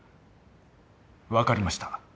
分かりました。